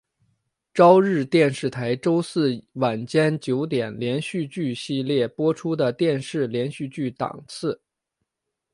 朝日电视台周四晚间九点连续剧系列播出的电视连续剧档次。